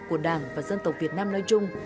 của đảng và dân tộc việt nam nói chung